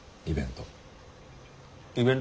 イベント？